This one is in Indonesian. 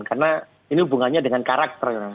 karena ini hubungannya dengan karakter